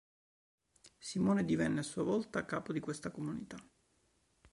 Simone divenne, a sua volta, capo di questa comunità.